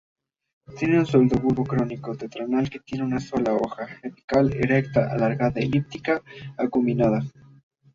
Tiene un pseudobulbo cónico tetragonal que tiene una sola hoja, apical, erecta, alargada-elíptica, acuminada.